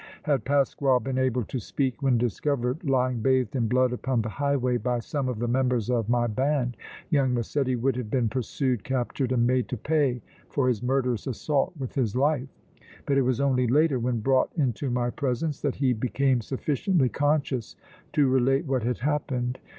Had Pasquale been able to speak when discovered lying bathed in blood upon the highway by some of the members of my band, young Massetti would have been pursued, captured and made to pay for his murderous assault with his life; but it was only later, when brought into my presence, that he became sufficiently conscious to relate what had happened.